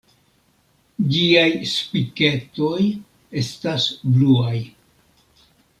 Ĝiaj spiketoj estas bluaj.